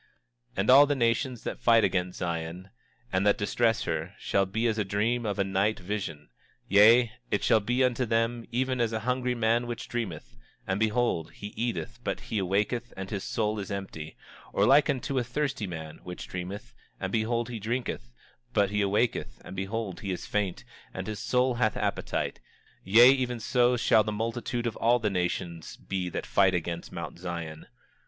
27:3 And all the nations that fight against Zion, and that distress her, shall be as a dream of a night vision; yea, it shall be unto them, even as unto a hungry man which dreameth, and behold he eateth but he awaketh and his soul is empty; or like unto a thirsty man which dreameth, and behold he drinketh but he awaketh and behold he is faint, and his soul hath appetite; yea, even so shall the multitude of all the nations be that fight against Mount Zion.